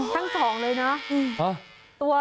ทั้งสองเลยเนาะ